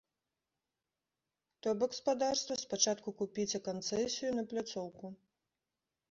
То бок, спадарства, спачатку купіце канцэсію на пляцоўку.